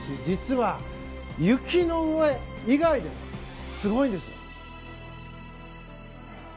実は、雪の上以外でもすごいんです。